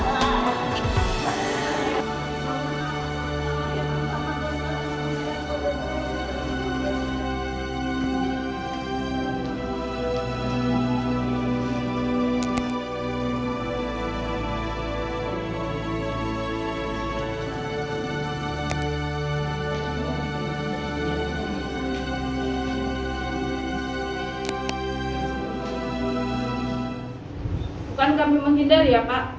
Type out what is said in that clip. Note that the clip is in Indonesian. bukan kami menghindari ya pak